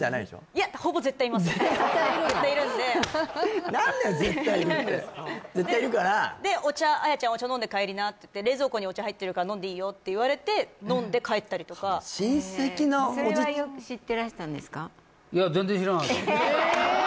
いや絶対いるの絶対いるんで何だよ「絶対いる」って絶対いるからで「お茶綾ちゃんお茶飲んで帰りな」って言って「冷蔵庫にお茶入ってるから飲んでいいよ」って言われて飲んで帰ったりとか親戚のおじちゃいやええっ！？